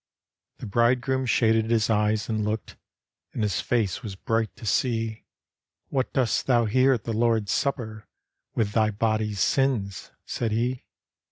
The Bridegroom shaded his eyes and looked And his face was bright to see —" What dost thou here at the Lord's Supper With thy body's sins?" said he.